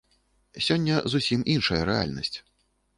Сёння зусім іншая рэальнасць.